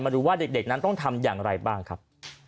ดูว่าเด็กนั้นต้องทำอย่างไรบ้างครับ